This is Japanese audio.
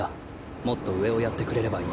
もっと上をやってくれればいい。